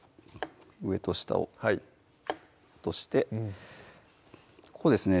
上と下を落としてここですね